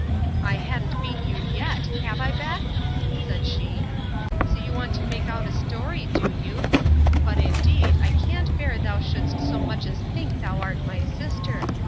I han't beat you yet; have I, Beck? said she. So you want to make out a story, do you?—But, indeed, I can't bear thou shouldst so much as think thou art my sister.